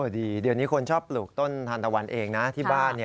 ดีเดี๋ยวนี้คนชอบปลูกต้นทานตะวันเองนะที่บ้าน